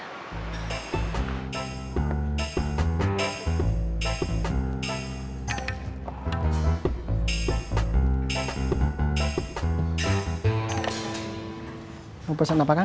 hai mau pesan apa kan